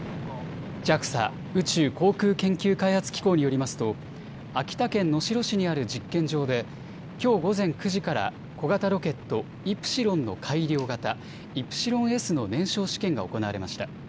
ＪＡＸＡ・宇宙航空研究開発機構によりますと秋田県能代市にある実験場できょう午前９時から小型ロケット、イプシロンの改良型、イプシロンＳの燃焼試験が行われました。